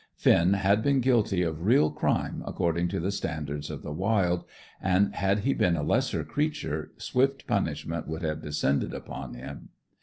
Finn had been guilty of real crime according to the standards of the wild; and, had he been a lesser creature, swift punishment would have descended upon him.